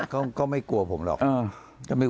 ก็ไม่กลัวผมหรอก